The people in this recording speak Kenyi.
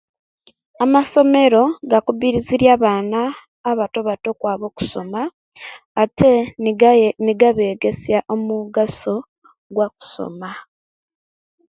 Amasomero gakubirizirye abaana abatobato okwaba okusoma aate nigaye nigabeegesia omugaso gwakusoma.